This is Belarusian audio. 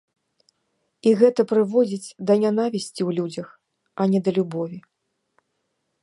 І гэта прыводзіць да нянавісці ў людзях, а не да любові.